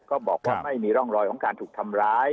ก็บอกว่าไม่มีร่องรอยของการถูกทำร้าย